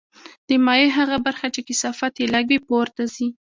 د مایع هغه برخه چې کثافت یې لږ وي پورته ځي.